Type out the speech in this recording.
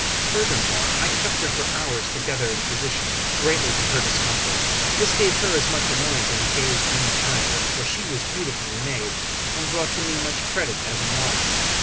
Furthermore, I kept her for hours together in position, greatly to her discomfort. This gave her as much annoyance as it gave me pleasure; for she was beautifully made, and brought me much credit as a model.